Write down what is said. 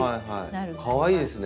かわいいですね。